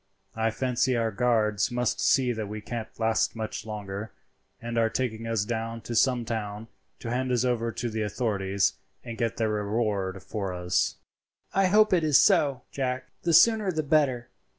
I fancy our guards must see that we can't last much longer, and are taking us down to some town to hand us over to the authorities and get their reward for us." "I hope it is so, Jack; the sooner the better.